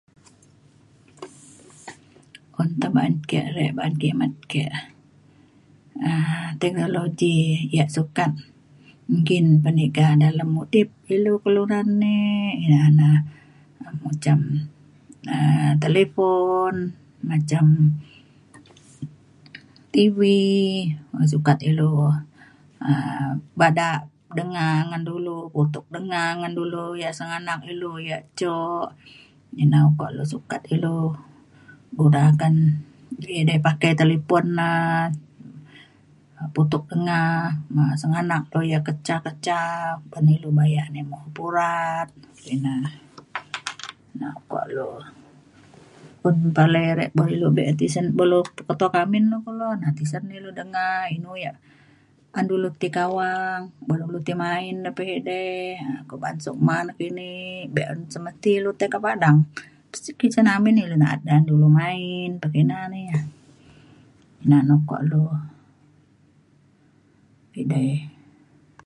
un te ba’an ke re ba’an ngimet ke um teknologi yak sukat menggin peniga dalem udip ilu kelunan ni ja na macam um talipon macam TV sukat ilu um bada denga ngan dulu putuk denga ngan dulu yak sengganak ilu yak jo. ina ukok lu sukat ilu dagang edei pakai talipon na putuk denga ngan sengganak lu ke ca ke ca pan ilu bayak ni mung pura. ina na kok lu un palai re buk ilu be’un tisen buk lu peto ke amin lu kulo tisen na ilu denga inu yak an dulu ti kawang buk lu main pe edei kok ba’an SUKMA nakini be’un semesti lu tai kak padang. [unintelligible] cin amin ilu na’at da du main pekina na ia. ina na ukok lu edei.